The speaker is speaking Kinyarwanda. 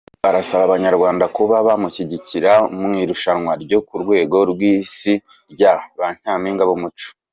Kuri ubu arasaba abanyarwanda kuba bamushyigikira mu irushanwa ryo ku rwego rw’isi rya banyampinga b’Umuco